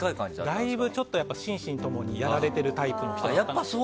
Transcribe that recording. だいぶ心身ともにやられてるタイプの。